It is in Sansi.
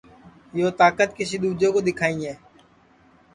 یو تاکت کسی دؔوجے کُو دؔیکھائیں